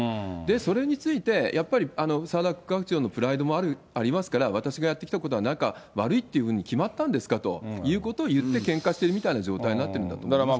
それについて、やっぱり澤田副学長のプライドもありますから、私がやってきたことは、なんか、悪いっていうふうに決まったんですかということを言ってけんかしてる状態になってるんだと思いますけどね。